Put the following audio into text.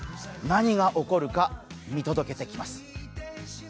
何が起こるか見届けてきます。